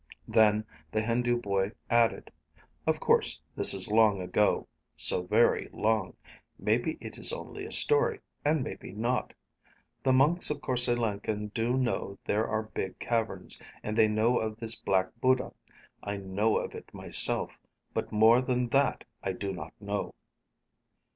Then the Hindu boy added, "Of course this is long ago. So very long. Maybe it is only a story. And maybe not. The monks of Korse Lenken do know there are big caverns, and they know of this Black Buddha. I know of it myself. But more than that I do not know."